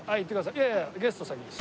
いやいやゲスト先です。